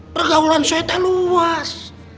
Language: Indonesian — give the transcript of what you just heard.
pergaulan syaitan luas